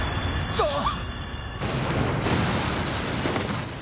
あっ。